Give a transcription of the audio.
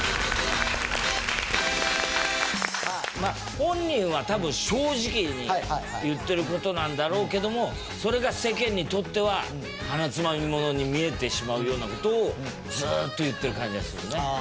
本人は多分正直に言ってる事なんだろうけどもそれが世間にとってははなつまみ者に見えてしまうような事をずっと言ってる感じがするね。